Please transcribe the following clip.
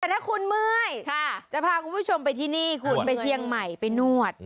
แต่ถ้าคุณเมื่อยจะพาคุณผู้ชมไปที่นี่คุณไปเชียงใหม่ไปนวด